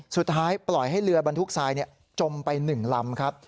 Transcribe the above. สุดท้ายปล่อยให้เรือบรรทุกทรายจมไป๑ลำครับ